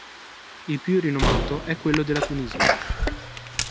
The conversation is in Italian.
Il più rinomato è quello della Tunisia.